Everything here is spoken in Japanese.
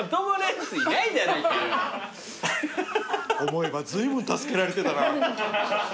思えばずいぶん助けられてたな。